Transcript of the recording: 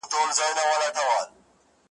پرون مي د خزان د موسم `